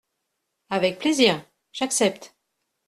avec plaisir ! j’accepte !